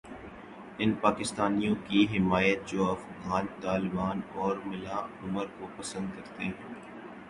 ان پاکستانیوں کی حمایت جوافغان طالبان اور ملا عمر کو پسند کرتے ہیں۔